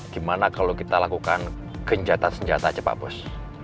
gimana kalau kita lakukan genjatan senjata aja pak bos